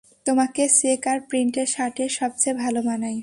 তোমাকে চেক আর প্রিন্টের শার্টে সবচেয়ে ভালো মানায়।